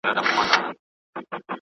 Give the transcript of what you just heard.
په جوپو جوپو به دام ته نه ورتللې .